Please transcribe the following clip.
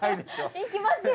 いきますよ？